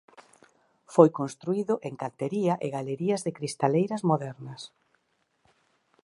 Foi construído en cantería e galerías de cristaleiras modernas.